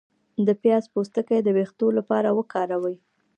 د پیاز پوستکی د ویښتو لپاره وکاروئ